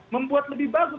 membuat lebih bagus